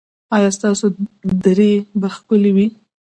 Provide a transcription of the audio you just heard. ایا ستاسو درې به ښکلې وي؟